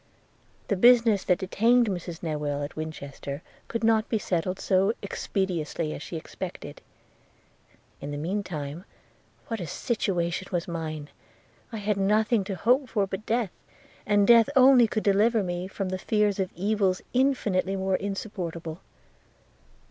The business that detained Mrs Newill at Winchester, could not be settled so expeditiously as she expected. In the mean time, what a situation was mine! I had nothing to hope but death, and death only could deliver me from the fear of evils infinitely more insupportable.